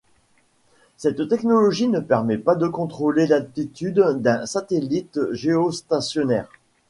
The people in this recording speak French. Cette technologie ne permet pas de contrôler l’attitude d’un satellite géostationnaire.